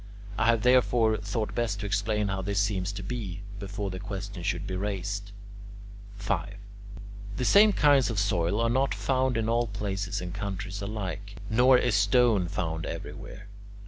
I have therefore thought best to explain how this seems to be, before the question should be raised. 5. The same kinds of soil are not found in all places and countries alike, nor is stone found everywhere.